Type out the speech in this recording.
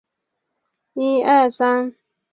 凯撒在高卢战记一书中描述了阿莱西亚之战。